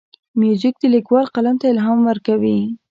موزیک د لیکوال قلم ته الهام ورکوي.